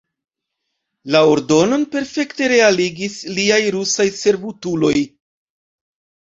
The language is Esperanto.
La ordonon perfekte realigis liaj rusaj servutuloj.